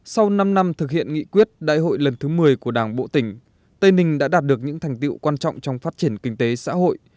sau năm năm thực hiện nghị quyết đại hội lần thứ một mươi của đảng bộ tỉnh tây ninh đã đạt được những thành tiệu quan trọng trong phát triển kinh tế xã hội